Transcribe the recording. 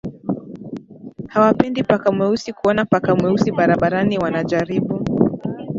hawapendi paka mweusi Kuona paka mweusi barabarani wanajaribu